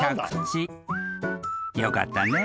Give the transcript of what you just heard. ［よかったね］